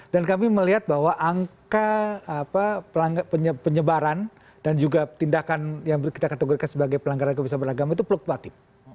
dan kami melihat bahwa angka penyebaran dan juga tindakan yang kita kategorikan sebagai pelanggaran kebesaran agama itu pluk patip